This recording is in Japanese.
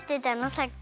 さっき。